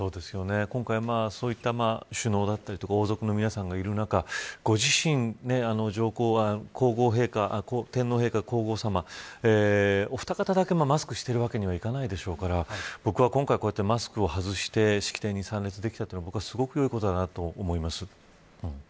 今回、そういった首脳だったり王族の皆さんがいらっしゃる中ご自身で天皇陛下、皇后さまお二方だけマスクしているわけにはいかないでしょうから僕は今回こうやってマスクを外して式典に参列できたのはすごくよいことだと思います。